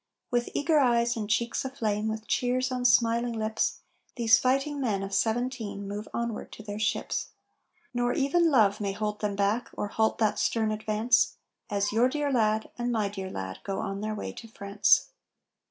With eager eyes and cheeks aflame, with cheers on smiling lips, These fighting men of '17 move onward to their ships. Nor even love may hold them back, or halt that stern advance, As your dear lad, and my dear lad, go on their way to France.